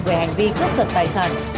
về hành vi cướp dật tài sản